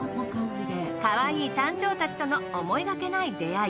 かわいいタンチョウたちとの思いがけない出会い。